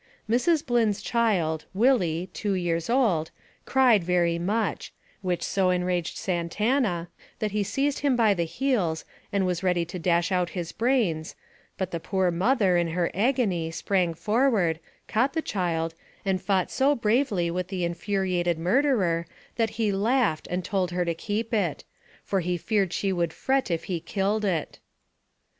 Mrs. Blynn's child, Willie, two years old, cried very much, which so enraged Santana that he seized him by the heels, and was ready to dash out his brains, but the poor mother, in her agony, sprang forward, caught the child, and fought so bravely with the infuriated mur derer, that he laughed, and told her to keep it ; for he feared she would fret if he killed it.